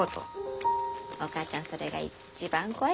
お母ちゃんそれが一番怖いかな。